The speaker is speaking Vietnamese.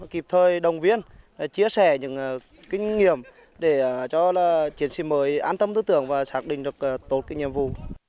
kịp thời đồng viên chia sẻ những kinh nghiệm để cho chiến sĩ mới an tâm tư tưởng và xác định được tốt cái nhiệm vụ